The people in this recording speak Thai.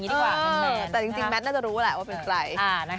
แต่จริงแมทน่าจะรู้แหละว่าเป็นใคร